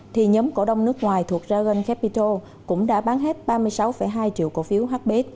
thì nhóm cổ đông nước ngoài thuộc dragon capital cũng đã bán hết ba mươi sáu hai triệu cổ phiếu hb